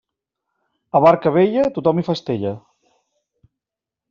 A barca vella tothom hi fa estella.